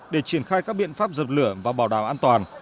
để triển khai các biện pháp dập lửa và bảo đảm an toàn